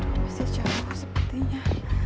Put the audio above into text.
masih jauh sepertinya